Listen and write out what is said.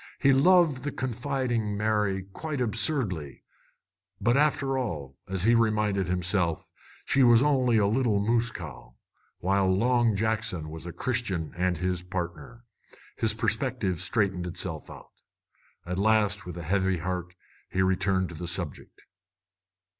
He loved the confiding Mary quite absurdly; but, after all, as he reminded himself, she was only a little cow moose, while Long Jackson was a Christian and his partner. His perspective straightened itself out. At last, with a heavy heart, he returned to the subject.